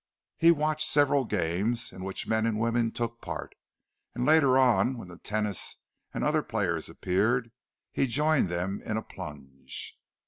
He watched several games, in which men and women took part; and later on, when the tennis and other players appeared, he joined them in a plunge.